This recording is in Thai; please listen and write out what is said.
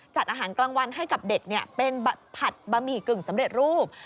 จัดอาหารกลางวันให้กับเด็กเป็นผัดบะหมี่กึ่งสำเร็จรูป